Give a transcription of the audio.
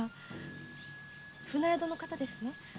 船宿の方ですね？